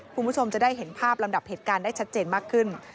คุณผู้ชมจะได้เห็นภาพลำดับเหตุการณ์ได้ชัดเจนมากขึ้น